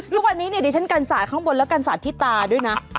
ทุกวันนี้เนี่ยดิฉันกันสาดข้างบนแล้วกันสาดที่ตาด้วยนะ